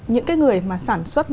những cái người mà sản xuất